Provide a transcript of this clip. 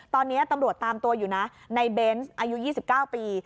ตอนนี้ตำรวจตามตัวอยู่นะในเบนส์อายุ๒๙ปี